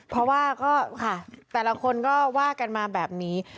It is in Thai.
เพราะว่าก็ค่ะแต่ละคนก็ว่ากันมาแบบนี้